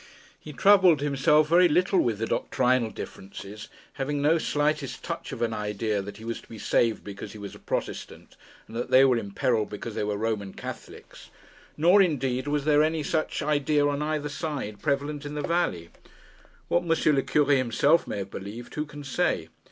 He troubled himself very little with the doctrinal differences, having no slightest touch of an idea that he was to be saved because he was a Protestant, and that they were in peril because they were Roman Catholics. Nor, indeed, was there any such idea on either side prevalent in the valley. What M. le Cure himself may have believed, who can say?